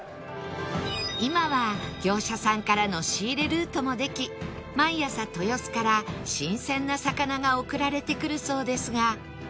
今は業者さんからの仕入れルートもでき毎朝豊洲から新鮮な魚が送られてくるそうですが